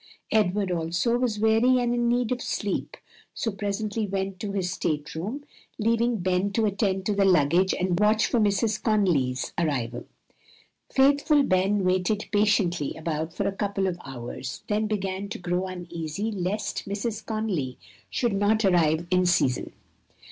Edward also was weary and in need of sleep, so presently went to his state room, leaving Ben to attend to the luggage and watch for Mrs. Conly's arrival. Faithful Ben waited patiently about for a couple of hours, then began to grow uneasy lest Mrs. Conly should not arrive in season.